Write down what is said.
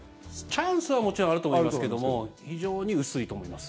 チャンスはもちろんあると思いますけども非常に薄いと思います。